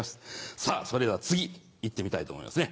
さぁそれでは次行ってみたいと思いますね。